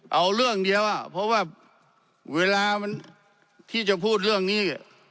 เอาเรื่องเดียวอ่ะเพราะว่าเวลามันที่จะพูดเรื่องนี้